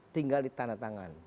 tinggal di tanda tangan